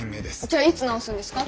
じゃあいつ直すんですか？